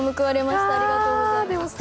ありがとうございます。